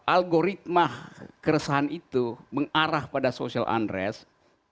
algoritma keresahan itu mengarah pada social unrest